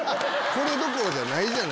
これどころじゃない。